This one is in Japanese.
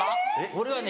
俺はね